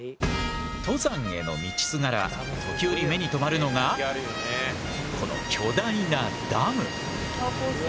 登山への道すがら時おり目に留まるのがこの巨大なダム！